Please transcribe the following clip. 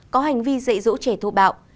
có hành vi dạy dỗ trẻ thô bạo